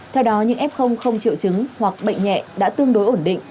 theo đó những f không triệu chứng hoặc bệnh nhẹ đã tương đối ổn định